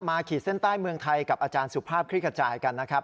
ขีดเส้นใต้เมืองไทยกับอาจารย์สุภาพคลิกกระจายกันนะครับ